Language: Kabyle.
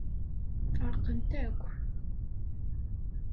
Feṛqen-t akk.